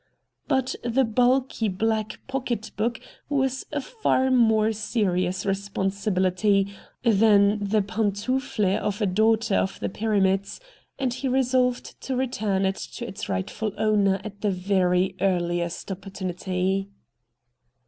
But the bulky black pocket book was a far raore serious responsibility than the pantoufle of a daughter of the Pyramids, and he resolved to return it to its rightful owner at the very earhest opportunity.